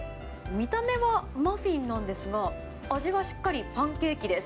見た目はマフィンなんですが、味はしっかりパンケーキです。